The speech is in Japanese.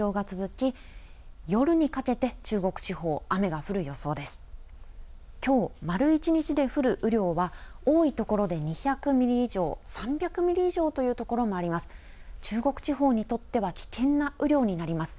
きょう丸一日で降る雨量は多いところで２００ミリ以上３００ミリ以上というところもあります。